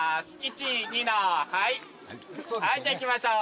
はいじゃあいきましょう